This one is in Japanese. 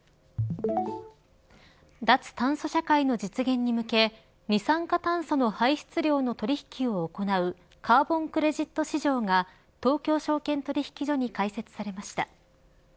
脱炭素社会の実現に向け二酸化炭素の排出量の取引を行うカーボン・クレジット市場が東京証券取引所に開設されました。